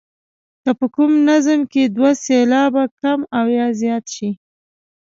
که په کوم نظم کې دوه سېلابه کم او یا زیات شي.